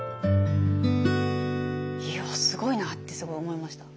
いやすごいなってすごい思いました。